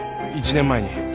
１年前に。